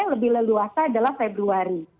yang lebih leluasa adalah februari